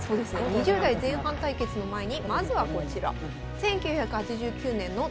２０代前半対決の前にまずはこちら。